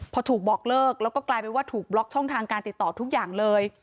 พอถูกบอกเลิกแล้วก็กลายเป็นว่าถูกบล็อกช่องทางการติดต่อทุกอย่างเลย